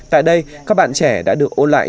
tại đây các bạn trẻ đã được ô lại